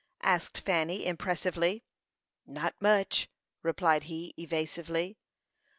asked Fanny, impressively. "Not much," replied he, evasively.